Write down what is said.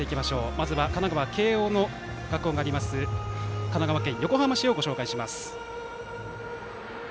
まずは神奈川・慶応の学校がある神奈川県横浜市をご紹介します。